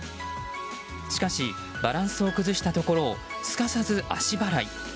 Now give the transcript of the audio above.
しかしバランスを崩したところをすかさず足払い。